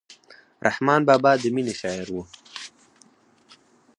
رحمان بابا د مینې شاعر و.